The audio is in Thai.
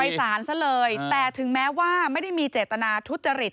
สารซะเลยแต่ถึงแม้ว่าไม่ได้มีเจตนาทุจริต